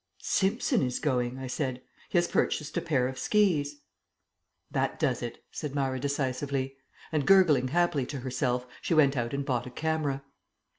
"Simpson is going." I said. "He has purchased a pair of skis." "That does it," said Myra decisively. And, gurgling happily to herself, she went out and bought a camera.